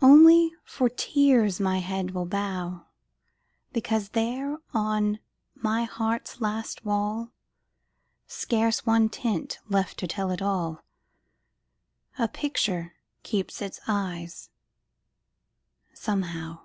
Only, for tears my head will bow, Because there on my heart's last wall, Scarce one tint left to tell it all, A picture keeps its eyes, somehow.